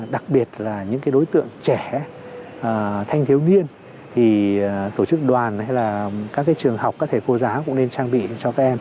đặc biệt là những đối tượng trẻ thanh thiếu niên thì tổ chức đoàn hay là các trường học các thầy cô giáo cũng nên trang bị cho các em